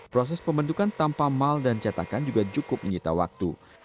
proses pembentukan tanpa mal dan cetakan juga cukup menyita waktu